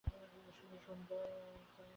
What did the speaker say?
দৃশ্যটি সুন্দর–হাততালি দিতে ইচ্ছা হইতেছে।